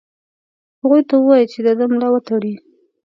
هغوی ته ووايی چې د ده ملا وتړي.